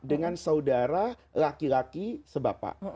dengan saudara laki laki sebapa